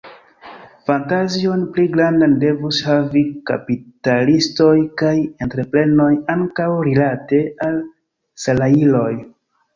Fantazion pli grandan devus havi kapitalistoj kaj entreprenoj ankaŭ rilate al salajroj.